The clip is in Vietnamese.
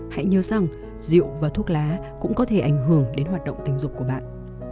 hãy nhớ rằng rượu và thuốc lá cũng có thể ảnh hưởng đến hoạt động tình dục của bạn